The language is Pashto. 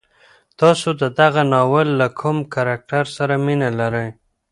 تاسو د دغه ناول له کوم کرکټر سره مینه لرئ؟